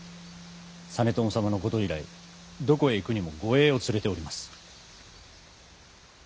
実朝様のこと以来どこへ行くにも護衛を連れております。